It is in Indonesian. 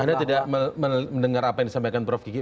anda tidak mendengar apa yang disampaikan prof kiki